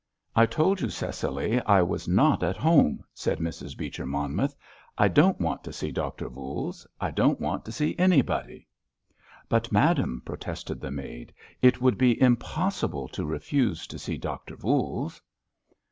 "I told you, Cecily, I was not at home!" said Mrs. Beecher Monmouth. "I don't want to see Doctor Voules—I don't want to see anybody!" "But, madam," protested the maid, "it would be impossible to refuse to see Doctor Voules!"